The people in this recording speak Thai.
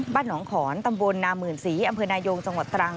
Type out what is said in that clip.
บ้านหนองขอนตำบลนามื่นศรีอำเภอนายงจังหวัดตรัง